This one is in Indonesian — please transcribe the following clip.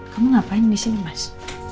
kamu ngapain disini mas